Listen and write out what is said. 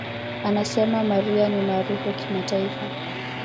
Anasema, "Mariah ni maarufu kimataifa.